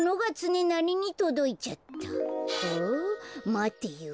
まてよ。